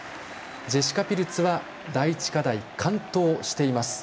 ジェシカ・ピルツは第１課題、完登しています。